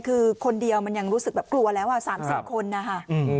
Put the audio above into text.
คือคนเดียวมันยังรู้สึกแบบกลัวแล้ว๓๐คนนะคะ